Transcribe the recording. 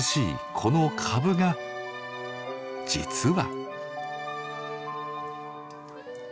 このカブが実は。